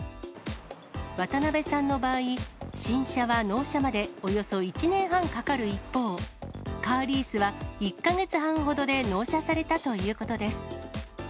渡邉さんの場合、新車は納車までおよそ１年半かかる一方、カーリースは１か月半ほどで納車されたということです。